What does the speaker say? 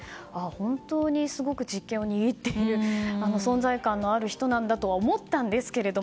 本当にすごく実権を握っている存在感のある人なんだとは思ったんですけど